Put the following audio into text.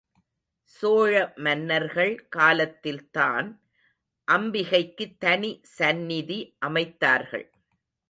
சோழ மன்னர்கள் காலத்தில்தான் அம்பிகைக்கு தனி சந்நிதி அமைத்தார்கள்.